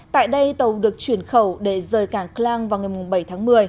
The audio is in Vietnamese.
tại đây tàu được chuyển khẩu để rời cảng clang vào ngày bảy tháng một mươi